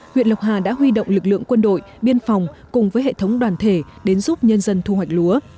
huyện lộc hà đã huy động lực lượng quân đội biên phòng cùng với hệ thống đoàn thể đến giúp nhân dân thu hoạch lúa